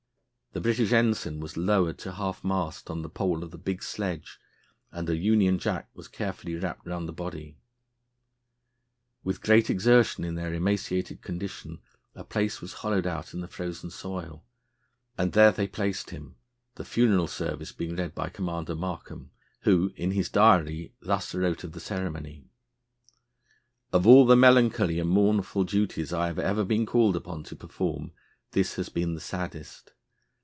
The British ensign was lowered to half mast on the pole of the big sledge and a Union Jack was carefully wrapped round the body. With great exertion, in their emaciated condition, a place was hollowed out in the frozen soil, and there they placed him, the funeral service being read by Commander Markham, who, in his diary, thus wrote of the ceremony: "Of all the melancholy and mournful duties I have ever been called upon to perform, this has been the saddest.